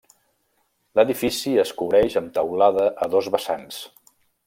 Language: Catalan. L'edifici es cobreix amb teulada a dos vessants.